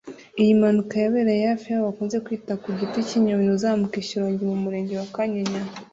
Iyi mpanuka yabereye hafi y’aho bakunze ku Giti cy’Inyoni uzamuka i Shyorongi mu Murenge wa Kanyinya